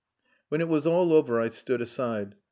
When it was all over I stood aside.